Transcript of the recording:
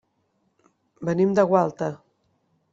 Venim de Gualta.